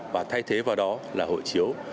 và thay thế vào đó là hội chiếu